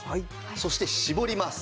そして絞ります。